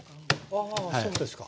あそうですか。